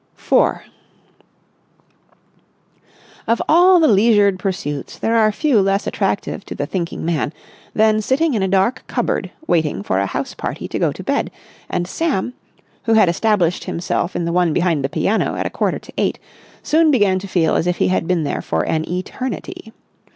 § 4 Of all the leisured pursuits, there are few less attractive to the thinking man than sitting in a dark cupboard waiting for a house party to go to bed; and Sam, who had established himself in the one behind the piano at a quarter to eight, soon began to feel as if he had been there for an eternity.